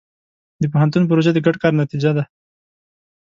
د پوهنتون پروژه د ګډ کار نتیجه ده.